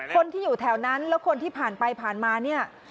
คนที่อยู่แถวนั้นแล้วคนที่ผ่านไปผ่านมาเนี่ย